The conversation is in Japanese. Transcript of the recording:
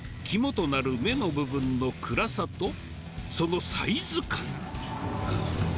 肝となる目の部分の暗さとそのサイズ感。